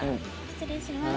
失礼します。